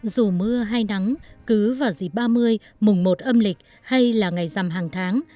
dù mưa hay nắng cứ vào dịp ba mươi mùng một âm lịch hay là ngày rằm hàng tháng